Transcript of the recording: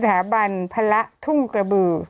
ถาบันพระทุ่งกระบือ